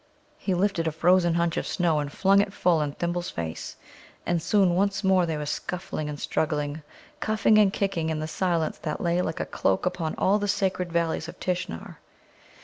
He lifted a frozen hunch of snow and flung it full in Thimble's face, and soon once more they were scuffling and struggling, cuffing and kicking in the silence that lay like a cloak upon all the sacred Valleys of Tishnar.